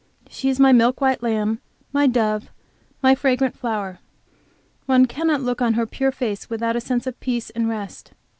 She is my milk white lamb, my dove, my fragrant flower. One cannot look in her pure face without a sense of peace and rest.